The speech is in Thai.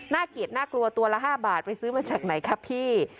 เกลียดน่ากลัวตัวละ๕บาทไปซื้อมาจากไหนครับพี่